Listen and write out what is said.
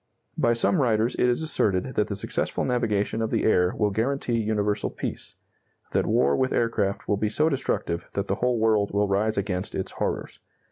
By some writers it is asserted that the successful navigation of the air will guarantee universal peace; that war with aircraft will be so destructive that the whole world will rise against its horrors.